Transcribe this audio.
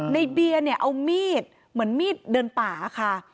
เบียร์เนี่ยเอามีดเหมือนมีดเดินป่าค่ะ